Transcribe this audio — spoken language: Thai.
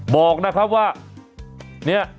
บอกนะครับว่าเนี่ย